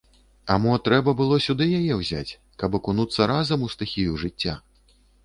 А мо трэба было сюды яе ўзяць, каб акунуцца разам у стыхію жыцця?